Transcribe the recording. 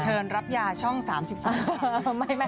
เชิญรับยาช่องสามสิบสาม